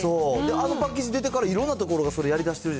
あのパッケージ出てから、いろんなところがそれやりだしてる